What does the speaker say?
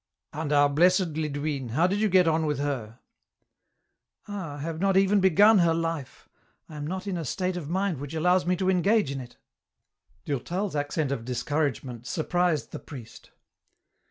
" And our Blesed Lidwine, how do you get on with her ?"" Ah, I have not even begun her life ; I am not in a State of mind which allows me to engage in it." §8 EN ROUTE. Durtal's accent of discouragement surprised the priest.